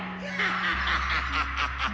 ハハハハハ！